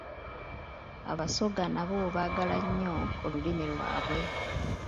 Abasoga nabo baagala nnyo olulimi lwabwe.